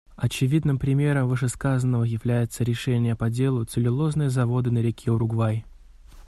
Очевидным примером вышесказанного является решение по делу «Целлюлозные заводы на реке Уругвай».